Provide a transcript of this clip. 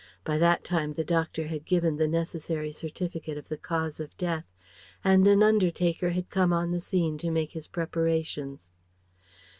By that time the doctor had given the necessary certificate of the cause of death, and an undertaker had come on the scene to make his preparations.